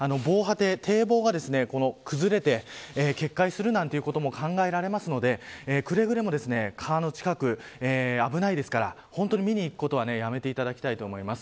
堤防が崩れて決壊することも考えられるのでくれぐれも、川の近く危ないですから見に行くことはやめていただきたいと思います。